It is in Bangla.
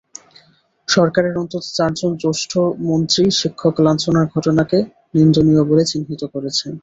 সরকারের অন্তত চারজন জ্যেষ্ঠ মন্ত্রী শিক্ষক লাঞ্ছনার ঘটনাকে নিন্দনীয় বলে চিহ্নিত করেছেন।